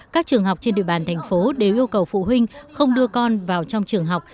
các trường học trên địa bàn thành phố đều yêu cầu phụ huynh không đưa con vào trong trường học